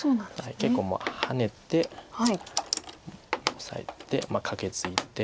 結構もうハネてオサえてカケツイで。